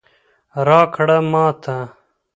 راکړه ماته